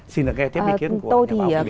xin được nghe tiếp ý kiến của nhà báo